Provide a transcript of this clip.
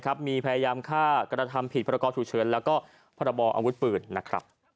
เหมือนฟิวว่าข่าวมันใหญ่จำเป็นรู้ไว้